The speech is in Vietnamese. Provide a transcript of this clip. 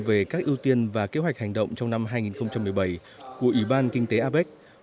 về các ưu tiên và kế hoạch hành động trong năm hai nghìn một mươi bảy của ủy ban kinh tế apec